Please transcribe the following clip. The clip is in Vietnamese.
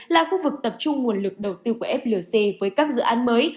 là khu vực tập trung nguồn lực đầu tư của flc với các dự án mới